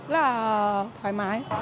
là thoải mái